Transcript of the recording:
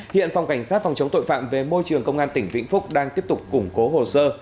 hiện phòng cảnh sát phòng chống tội phạm về môi trường công an tỉnh vĩnh phúc đang tiếp tục củng cố hồ sơ